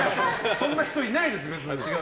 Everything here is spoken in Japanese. そんな人いないです。